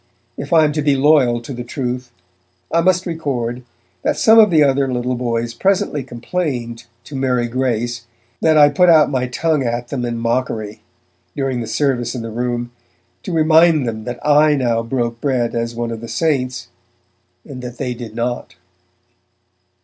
If I am to be loyal to the truth, I must record that some of the other little boys presently complained to Mary Grace that I put out my tongue at them in mockery, during the service in the Room, to remind them that I now broke bread as one of the Saints and that they did not.